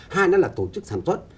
hai đó là tổ chức sản xuất